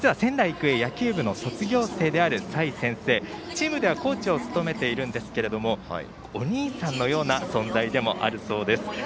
実は、仙台育英の卒業生のさい先生、チームではコーチを務めているんですがお兄さんのような存在でもあるそうです。